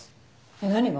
えっ何が？